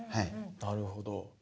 なるほど。